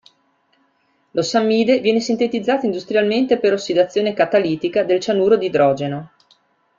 L'ossammide viene sintetizzata industrialmente per ossidazione catalitica del cianuro di idrogeno.